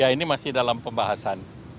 ini masih dalam pembahasan